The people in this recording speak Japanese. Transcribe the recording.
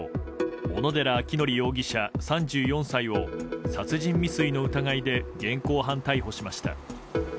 小野寺章仁容疑者、３４歳を殺人未遂の疑いで現行犯逮捕しました。